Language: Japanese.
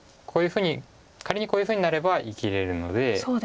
仮にこういうふうになれば生きれるので。